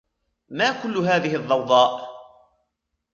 ما كل هذه الضوضاء ؟